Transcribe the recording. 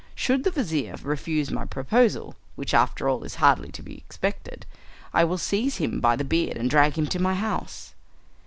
Should the vizir refuse my proposal, which after all is hardly to be expected, I will seize him by the beard and drag him to my house."